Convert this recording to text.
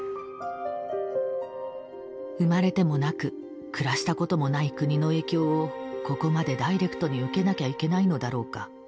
生まれてもなく暮らしたこともない国の影響をここまでダイレクトに受けなきゃいけないのだろうか。